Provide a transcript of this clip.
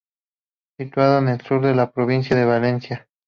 Situado en el sur de la provincia de Valencia.